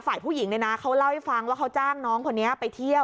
ฝ่ายผู้หญิงเนี่ยนะเขาเล่าให้ฟังว่าเขาจ้างน้องคนนี้ไปเที่ยว